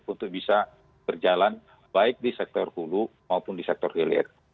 untuk bisa berjalan baik di sektor hulu maupun di sektor hilir